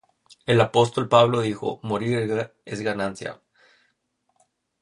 El apóstol Pablo dijo: 'morir es ganancia'.